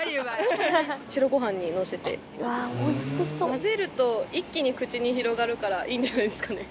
混ぜると一気に口に広がるからいいんじゃないんですかね。